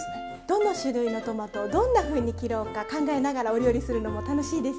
どの種類のトマトをどんなふうに切ろうか考えながらお料理するのも楽しいですよね。